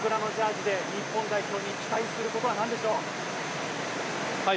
この桜のジャージで、日本代表に期待することはなんでしょう？